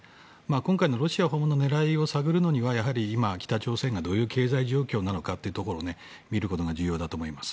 今回のロシア訪問の狙いを探るのにはやはり今、北朝鮮がどういう経済状況かというのを見ることが重要だと思います。